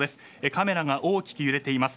カメラが大きく揺れています。